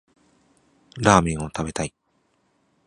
ラーメンを食べたい